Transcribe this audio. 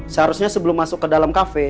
seharusnya sebelum masuk ke dalam kafe